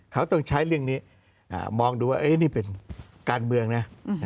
เขาต้องใช้เรื่องนี้มองดูว่านี่เป็นการเมืองนะ